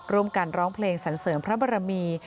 ร่วมกันร้องเพลงสันเสริมพระบรมี